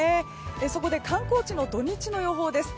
そこで観光地の土日の予報です。